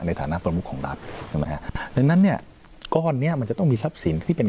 ในฐานะประมุขของรัฐใช่ไหมฮะดังนั้นเนี่ยก้อนเนี้ยมันจะต้องมีทรัพย์สินที่เป็น